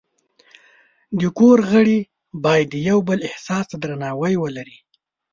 د کور غړي باید د یو بل احساس ته درناوی ولري.